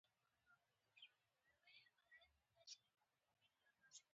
یو سل او اووه نوي یمه پوښتنه د استملاک په اړه ده.